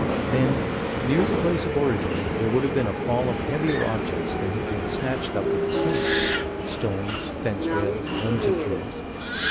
Then, near the place of origin, there would have been a fall of heavier objects that had been snatched up with the snakes stones, fence rails, limbs of trees.